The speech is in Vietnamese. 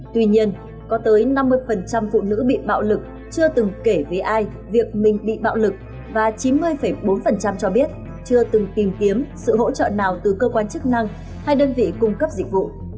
tuy nhiên có tới năm mươi phụ nữ bị bạo lực chưa từng kể với ai việc mình bị bạo lực và chín mươi bốn cho biết chưa từng tìm kiếm sự hỗ trợ nào từ cơ quan chức năng hay đơn vị cung cấp dịch vụ